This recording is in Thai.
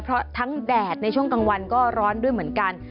เพราะทั้งแดดในช่วงกลางวันก็ร้อนด้วยเหมือนกัน